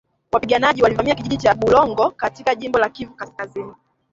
wapiganaji walivamia kijiji cha Bulongo katika jimbo la Kivu kaskazini